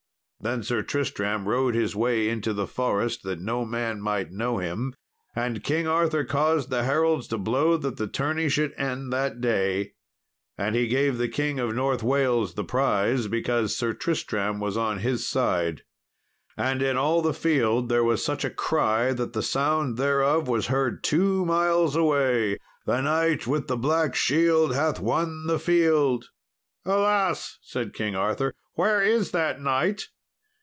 Then Sir Tristram rode his way into the forest, that no man might know him. And King Arthur caused the heralds to blow that the tourney should end that day, and he gave the King of North Wales the prize, because Sir Tristram was on his side. And in all the field there was such a cry that the sound thereof was heard two miles away "The knight with the black shield hath won the field." "Alas!" said King Arthur, "where is that knight?